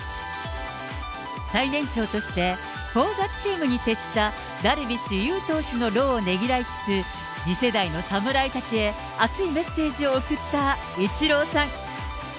最年長として、フォア・ザ・チームに徹したダルビッシュ有投手の労をねぎらいつつ、次世代の侍たちへ、熱いメッセージを送ったイチローさん。